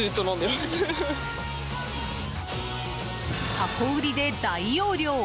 箱売りで大容量！